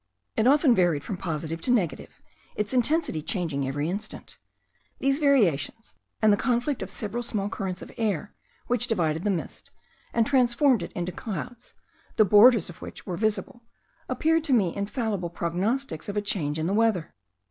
It often varied from positive to negative, its intensity changing every instant. These variations, and the conflict of several small currents of air, which divided the mist, and transformed it into clouds, the borders of which were visible, appeared to me infallible prognostics of a change in the weather.